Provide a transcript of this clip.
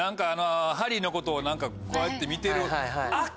ハリーのことを何かこうやって見てる。